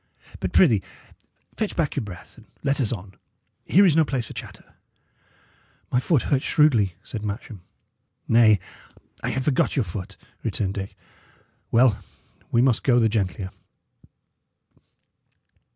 But, prithee, fetch back your breath, and let us on. Here is no place for chatter." "My foot hurts shrewdly," said Matcham. "Nay, I had forgot your foot," returned Dick. "Well, we must go the gentlier.